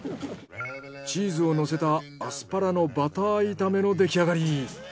チーズをのせたアスパラのバター炒めの出来上がり。